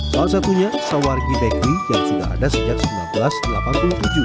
salah satunya sawargi dekri yang sudah ada sejak seribu sembilan ratus delapan puluh tujuh